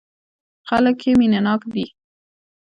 خلک يې مينه ناک دي.